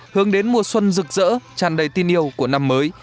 hướng đến mùa xuân rực rỡ tràn đầy tin yêu của năm mới